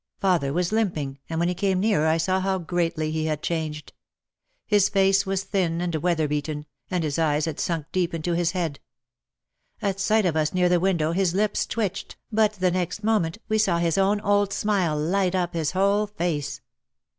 Father was limping and when he came nearer I saw how greatly he had changed. His face was thin and weatherbeaten, and his eyes had sunk deep into his head. At sight of us near the window his lips twitched, but the next moment we saw his own old smile light up his whole face.